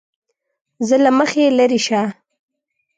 زه له مخې لېرې شه!